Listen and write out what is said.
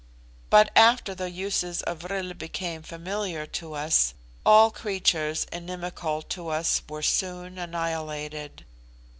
But after the uses of vril became familiar to us, all creatures inimical to us were soon annihilated.